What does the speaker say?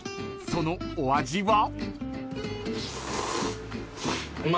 ［そのお味は？］